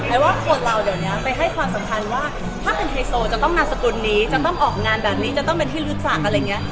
ไอ้ว่าคนเราเดี๋ยวเนี้ยไปให้ความสำคัญว่าถ้าเป็นไทยโซจะต้องนับสกุลนี้จะต้องออกงานแบบนี้จะต้องเป็นที่ฤทธิ์ศักดิ์อะไรเงี้ย